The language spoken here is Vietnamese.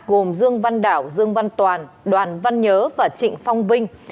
gồm dương văn đảo dương văn toàn đoàn văn nhớ và trịnh phong vinh